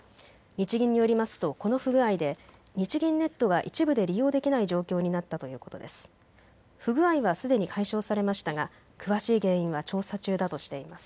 日銀によりますとこの不具合で日銀ネットが一部で利用できない状況になったということです。